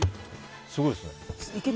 すごいですね。